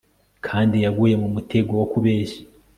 kandi yaguye mu mutego wo kubeshya